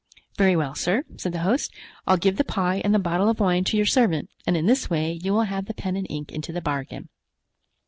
"Very well, sir," said the host, "I'll give the pie and the bottle of wine to your servant, and in this way you will have the pen and ink into the bargain."